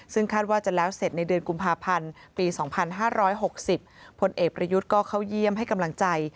ซึ่งคาดว่าจะแล้วเสร็จในเดือนกุมภาพันธ์ปีสองพันห้าร้อยหกสิบพลเอกประยุทธก็เข้าเยี่ยมให้กำลังใจ